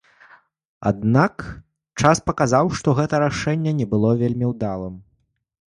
Аднак час паказаў, што гэта рашэнне было не вельмі ўдалым.